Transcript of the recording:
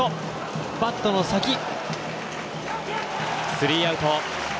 スリーアウト。